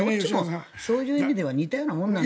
そういう意味では似たようなものなので。